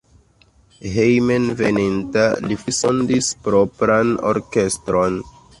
Hejmenveninta li fondis propran orkestron.